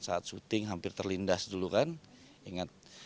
saat syuting hampir terlindas dulu kan ingat